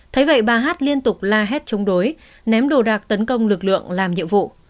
thế vậy bà hát liên tục la hét chống đối ném đồ đạc tấn công lực lượng làm nhiệm vụ